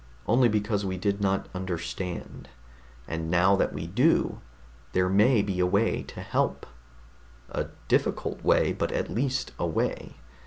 "Only because we did not understand. And now that we do, there may be a way to help. A difficult way, but at least a way.